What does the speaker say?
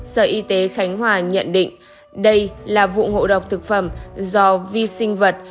sở y tế khánh hòa nhận định đây là vụ ngộ độc thực phẩm do vi sinh vật